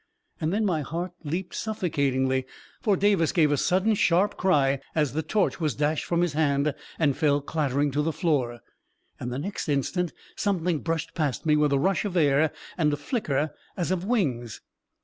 And then my heart leaped suffo catingly, for Davis gave a sudden, sharp cry, as the torch was dashed from his hand and fell clattering to the floor. And the next instant, something brushed past me, with a rush of air, and a flicker as of wings